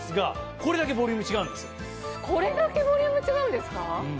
これだけボリューム違うんですか。